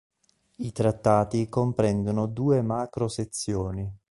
I trattati comprendono due macro sezioni.